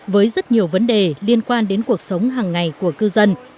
với rất nhiều vấn đề liên quan đến cuộc sống hàng ngày của cư dân